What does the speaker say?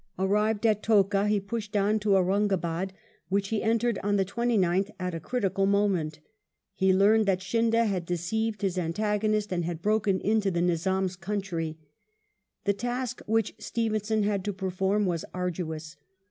Arrived at Toka he pushed on to Aurungabad, which he entered on the 29th at a critical moment He learned that Scindia had deceived his antagonist, and had broken into the Nizam's country. The task which Stevenson had to perform was arduous.